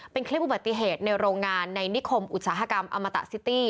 เป็นคลิปอุบัติเหตุในโรงงานในนิคมอุตสาหกรรมอมตะซิตี้